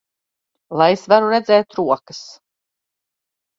Lai es varu redzēt rokas!